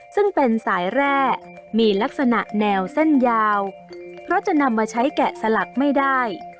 ซึ่งเป็นสายแร่มีลักษณะแนวเส้นยาวเพราะจะนำมาใช้แกะสลักไม่ได้